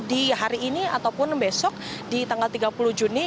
di hari ini ataupun besok di tanggal tiga puluh juni